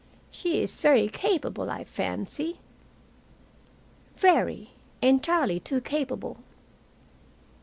"She is very capable, I fancy." "Very. Entirely too capable."